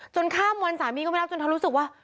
ข้ามวันสามีก็ไม่รับจนเธอรู้สึกว่า